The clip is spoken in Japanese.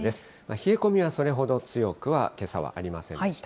冷え込みはそれほど強くは、けさはありませんでした。